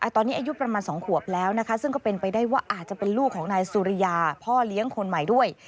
ตอนนี้อายุประมาณ๒ขวบแล้วนะคะซึ่งก็เป็นไปได้ว่าอาจจะเป็นลูกของนายสุริยาพ่อเลี้ยงคนใหม่ด้วย